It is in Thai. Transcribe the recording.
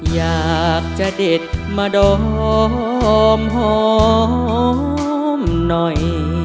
อยากจะเด็ดมาดอมหอมหน่อย